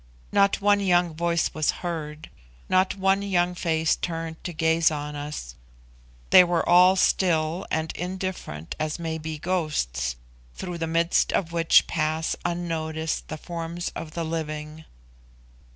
Not one young voice was heard not one young face turned to gaze on us. They were all still and indifferent as may be ghosts, through the midst of which pass unnoticed the forms of the living.